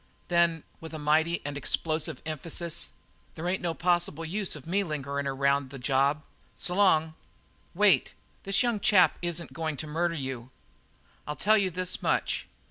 "Then" with a mighty and explosive emphasis "there ain't no possible use of me lingering around the job. S' long." "Wait. This young chap isn't going to murder you. I'll tell you this much.